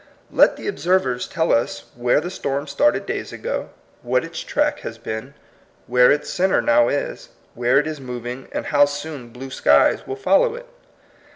Let the observers tell us where the storm started days ago, what its track has been, where its centre now is, where it is moving, and how soon blue skies will follow it.